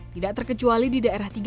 tidak terkecuali di daerah tiga